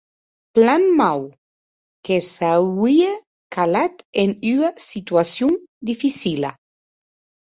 Plan mau; que s’auie calat en ua situacion dificila.